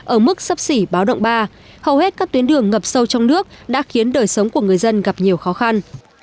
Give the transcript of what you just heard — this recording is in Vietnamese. ở mức sấp xỉ báo động ba hầu hết các tuyến đường ngập sâu trong nước đã khiến đời sống của người dân gặp nhiều khó khăn